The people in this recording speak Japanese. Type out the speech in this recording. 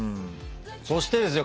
そしてですよ